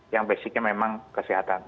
yang basicnya memang kesehatan